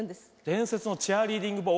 伝説のチアリーディング部ＯＢ？